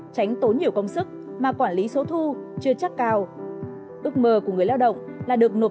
tránh tốn nhiều công sức mà quản lý số thu chưa chắc cao ước mơ của người lao động là được nộp